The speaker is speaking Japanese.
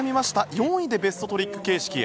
４位でベストトリック形式へ。